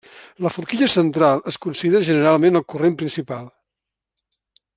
La Forquilla central es considera generalment el corrent principal.